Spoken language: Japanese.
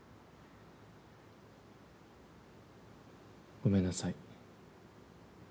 ごめんなさい。